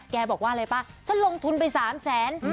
บอกว่าอะไรป่ะฉันลงทุนไป๓แสน